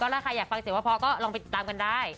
แล้วใครอยากฟังเสียงว่าพอก็ลองไปตามกันได้